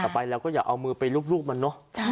แต่ไปแล้วก็อย่าเอามือไปลูกมันเนอะ